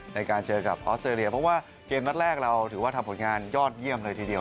ในการเจอกับออสเตรเลียเพราะว่าเกมนัดแรกเราถือว่าทำผลงานยอดเยี่ยมเลยทีเดียว